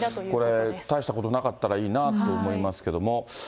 これ、大したことなかったらいいなと思いますけども。